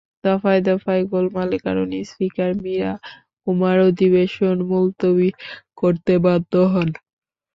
দফায় দফায় গোলমালের কারণে স্পিকার মীরা কুমার অধিশেন মুলতুবি করতে বাধ্য হন।